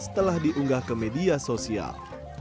setelah diunggah ke media sosial